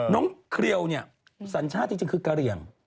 น้องเครียวเนี่ยสรรชาติที่จึงคือกะเรียง